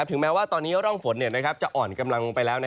ถึงแม้ว่าตอนนี้ร่องฝนจะอ่อนกำลังลงไปแล้ว